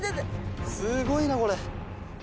すごいなこれ。